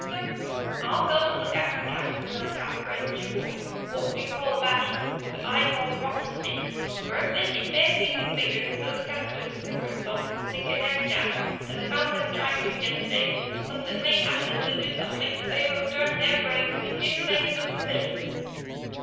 "And now, sir, I'll go and look after the camels and those half bred Jew boys what you call Abati, but I call rotten sneaks, for if they get their thieving fingers into those canisters of picric salts, thinking they're jam, as I found them trying to do yesterday, something may happen in Egypt that'll make the Pharaohs turn in their graves and the Ten Plagues look silly."